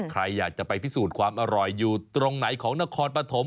ใครอยากจะไปพิสูจน์ความอร่อยอยู่ตรงไหนของนครปฐม